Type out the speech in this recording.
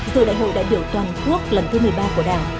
giữa đại hội đại biểu toàn quốc lần thứ một mươi ba của đảng